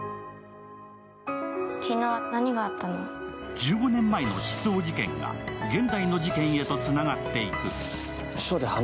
１５年前の失踪事件が現代の事件へとつながっていく。